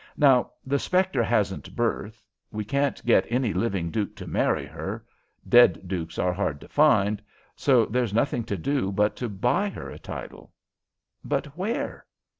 Now the spectre hasn't birth, we can't get any living duke to marry her, dead dukes are hard to find, so there's nothing to do but to buy her a title." "But where?"